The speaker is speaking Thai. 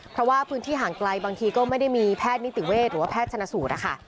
เพราะว่าพื้นที่ห่างไกลบางทีก็ไม่ได้มีแพทย์นิติเวชหรือว่าแพทย์ชนะสูตรนะคะ